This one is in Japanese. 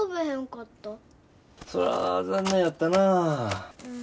そら残念やったなぁ。